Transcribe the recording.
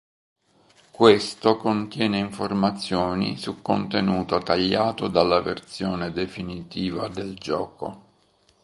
Questo contiene informazioni su contenuto tagliato dalla versione definitiva del gioco.